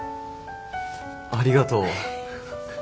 ありがとう。